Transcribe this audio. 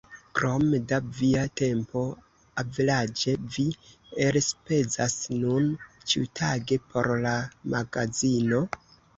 Kiom da via tempo averaĝe vi elspezas nun ĉiutage por la magazino?